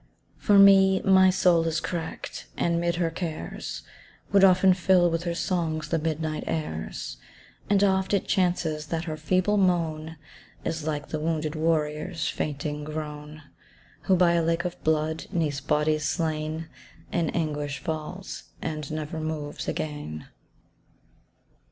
For me, my soul is cracked, and 'mid her cares, Would often fill with her songs the midnight airs And oft it chances that her feeble moan Is like the wounded warrior's fainting groan, Who by a lake of blood, 'neath bodies slain, In anguish falls, and never moves again.